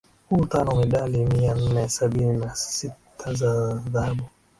u tano medali mia nne sabini na sita za dhahabu